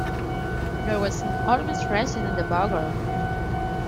There was an always-resident debugger.